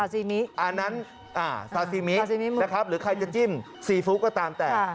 ซาซิมิซาซิมิหรือใครจะจิ้มซีฟู้ดก็ตามแต่